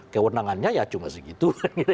kewenangannya ya cuma segitu